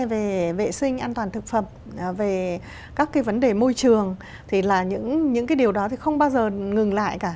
về vệ sinh an toàn thực phẩm về các cái vấn đề môi trường thì là những cái điều đó thì không bao giờ ngừng lại cả